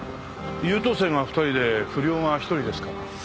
優等生が２人で不良が１人ですから。